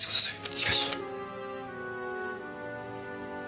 しかし！